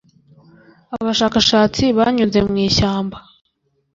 abashakashatsi banyuze mu ishyamba.